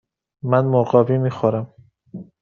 من مرغابی می خورم.